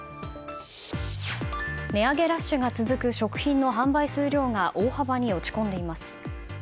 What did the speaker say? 値上げラッシュが続く食品の販売数量が大幅に落ち込んでいます。